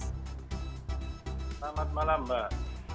selamat malam mbak